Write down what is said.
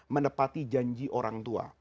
menepati janji orang tua